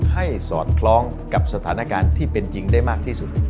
สอดคล้องกับสถานการณ์ที่เป็นจริงได้มากที่สุด